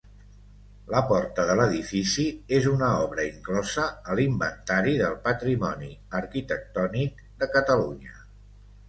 La porta de l'edifici és una obra inclosa a l'Inventari del Patrimoni Arquitectònic de Catalunya.